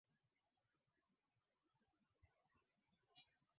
Vijiji mia nne hamsini na nane